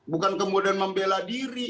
bukan kemudian membela diri